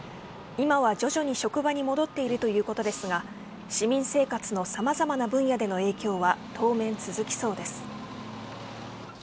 今は徐々に職場に戻っているということですが市民生活の様々な分野での影響は当面、続きそうです。